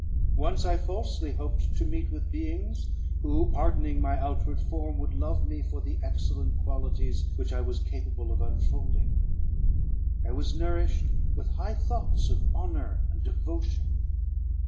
Once I falsely hoped to meet with beings, who, pardoning my outward form, would love me for the excellent qualities which I was capable of unfolding. I was nourished with high thoughts of honour and devotion.